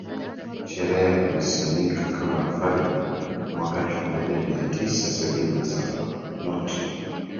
sherehe ya kujisimika kama mfalme mwaka elfumoja miatisa sabini na Saba not